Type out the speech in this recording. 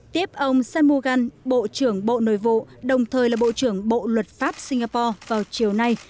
tiếp ông samugan bộ trưởng bộ nội vụ đồng thời là bộ trưởng bộ luật pháp singapore vào chiều nay